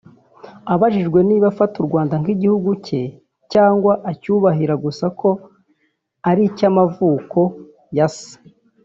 Abajijwe niba afata u Rwanda nk’igihugu cye cyangwa acyubahira gusa ko ari icy’amavuko ya Se